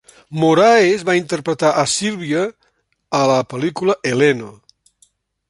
Moraes va interpretar a Silvia a la pel·lícula "Heleno".